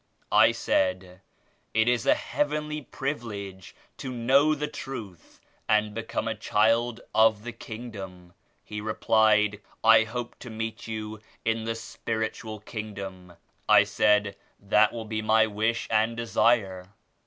I said, "It is a heavenly privilege to know the Truth and become a child of the Kingdooa ".. He.r^pjied, "I hope to meet you in the ^Jjf^^ifij/ifvXip^oW^^^^ I said "That will be my wiah :an4.;d€;3.ue!